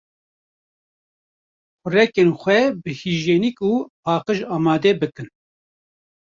Xurekên xwe bi hîjyenîk û paqîj amade bikin.